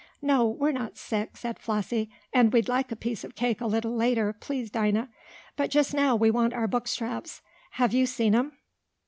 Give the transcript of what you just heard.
"No, we're not sick," said Flossie, "and we'd like a piece of cake a little later, please Dinah. But just now we want our book straps. Have you seen 'em?"